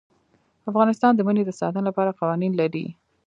افغانستان د منی د ساتنې لپاره قوانین لري.